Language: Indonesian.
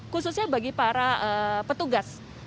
khususnya bagi para petugas